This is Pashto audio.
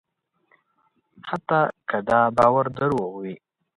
حتی که دا باور دروغ وي.